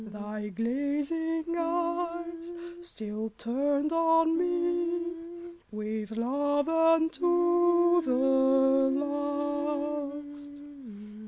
Thy glazing eyes still turned on me With love unto the last!